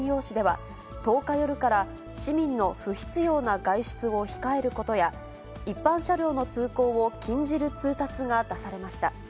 市では、１０日夜から市民の不必要な外出を控えることや、一般車両の通行を禁じる通達が出されました。